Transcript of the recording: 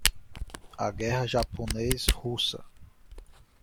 A Guerra Japonês-Russa